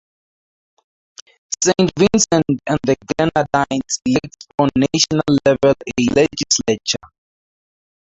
Saint Vincent and the Grenadines elects on national level a legislature.